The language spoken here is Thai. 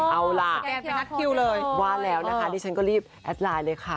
เอาล่ะนี่ฉันก็รีบแอดไลน์เลยค่ะ